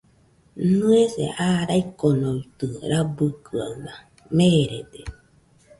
Nɨese aa raikonoitɨ rabɨkɨaɨna, merede